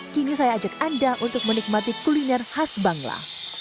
kini saya ajak anda untuk menikmati kuliner khas bangla